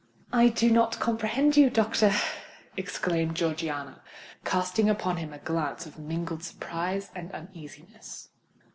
"I do not comprehend you, doctor," exclaimed Georgiana, casting upon him a glance of mingled surprise and uneasiness.